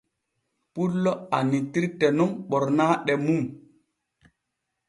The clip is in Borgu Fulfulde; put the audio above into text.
Pullo annitirte nun ɓornaaɗe nun.